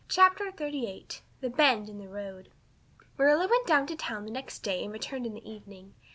CHAPTER XXXVIII. The Bend in the road MARILLA went to town the next day and returned in the evening.